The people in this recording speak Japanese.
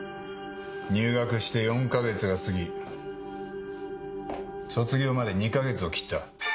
入学して４か月が過ぎ卒業まで２か月を切った。